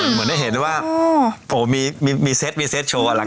เหมือนได้เห็นว่าโอ้มีเซตมีเซตโชว์อ่ะล่ะค่ะ